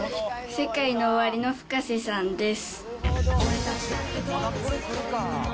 ＳＥＫＡＩＮＯＯＷＡＲＩのＦｕｋａｓｅさんです。